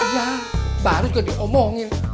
iya baru juga diomongin